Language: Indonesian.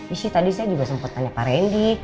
isi tadi saya juga sempat tanya pak rendy